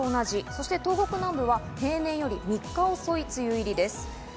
そして東北南部は平年より３日遅い梅雨入りです。